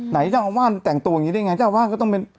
เจ้าอาวาสแต่งตัวอย่างนี้ได้ไงเจ้าอาวาสก็ต้องเป็น